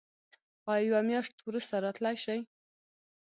ایا یوه میاشت وروسته راتلی شئ؟